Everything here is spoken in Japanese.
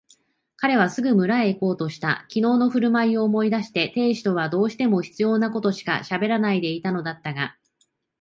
彼はすぐ村へいこうとした。きのうのふるまいを思い出して亭主とはどうしても必要なことしかしゃべらないでいたのだったが、